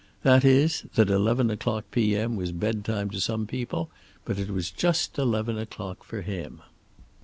That is, that eleven o'clock P.M. was bed time to some people, but was just eleven o'clock for him.